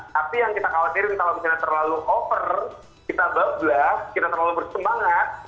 tapi yang kita khawatirin kalau misalnya terlalu over kita beblas kita terlalu bersemangat